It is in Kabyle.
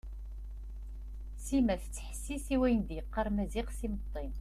Sima tettḥessis i wayen d-yeqqar Maziɣ s imeṭṭi.